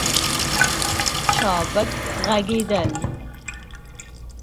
چابک ږغېدل